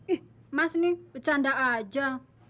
ih mas nih bercanda aja